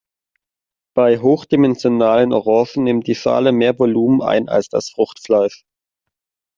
Bei hochdimensionalen Orangen nimmt die Schale mehr Volumen ein als das Fruchtfleisch.